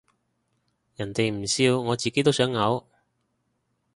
人哋唔笑我自己都想嘔